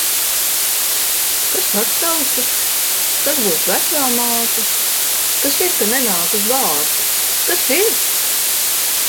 Kas atsaucas? Kas būs vecāmāte? Kas ir, ka nenāk uz vārda? Kas ir?